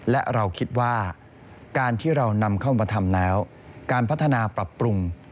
และเราคิดว่าการที่เรานำเข้ามาทำแล้วการพัฒนาปรับปรุง